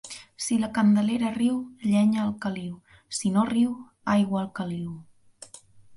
Si la Candelera riu, llenya al caliu, i si no riu aigua al caliu.